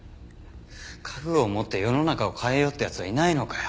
覚悟を持って世の中を変えようって奴はいないのかよ。